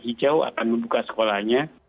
hijau akan membuka sekolahnya